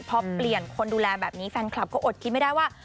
พอเปลี่ยนคนดูแลแบบนี้แฟนคลับก็อดคิดไม่ได้ว่า